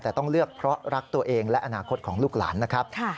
แต่ต้องเลือกเพราะรักตัวเองและอนาคตของลูกหลานนะครับ